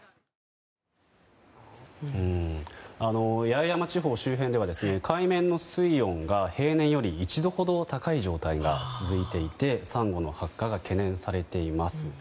八重山地方周辺では海面の水温が平年より１度ほど高い状態が続いていてサンゴの白化が懸念されています。